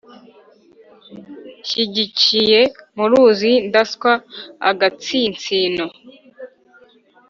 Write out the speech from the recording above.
nshyigikiye muruzi ndaswa-agatsinsino.